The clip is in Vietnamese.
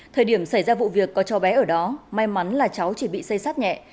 thời điểm xảy ra vụ việc có cho bé ở đó may mắn là cháu chỉ bị xây sát nhẹ